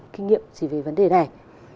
kinh nghiệm gì về vấn đề này